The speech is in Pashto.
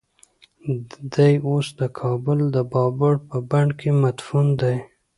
دی اوس د کابل د بابر په بڼ کې مدفون دی.